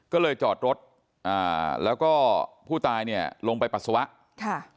ก็เลยจอดรถแล้วก็ผู้ตายลงไปปัสสาวะ